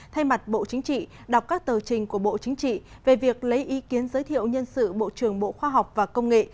thay mặt bộ chính trị đọc các tờ trình của bộ chính trị về việc lấy ý kiến giới thiệu nhân sự bộ trưởng bộ khoa học và công nghệ